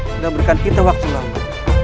sudah berikan kita waktu lama